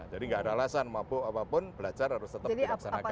nggak ada alasan mabuk apapun belajar harus tetap dilaksanakan